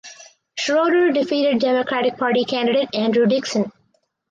Schroeder defeated Democratic Party candidate Andrew Dixon.